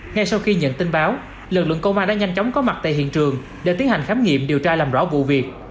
ngay sau khi nhận tin báo lực lượng công an đã nhanh chóng có mặt tại hiện trường để tiến hành khám nghiệm điều tra làm rõ vụ việc